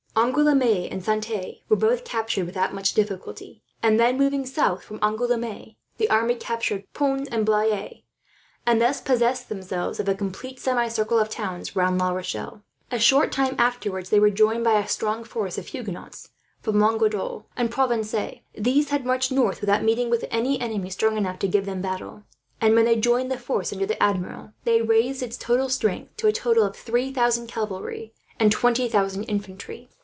Angouleme and Saintes were both captured without much difficulty; and then, moving south from Angouleme, the army captured Pons and Blaye, and thus possessed themselves of a complete semicircle of towns round La Rochelle. A short time afterwards, they were joined by a strong force of Huguenots from Languedoc and Provence. These had marched north, without meeting with any enemy strong enough to give them battle; and when they joined the force under the Admiral, they raised its strength to a total of three thousand cavalry, and twenty thousand infantry.